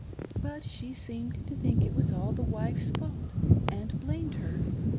But she seemed to think it was all the wife's fault, and blamed her.